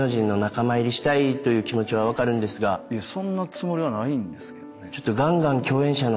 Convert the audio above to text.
そんなつもりはないんですけどね。